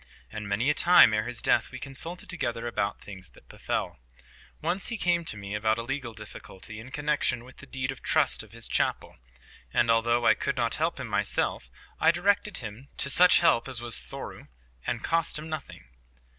And many a time ere his death we consulted together about things that befell. Once he came to me about a legal difficulty in connexion with the deed of trust of his chapel; and although I could not help him myself, I directed him to such help as was thorough and cost him nothing.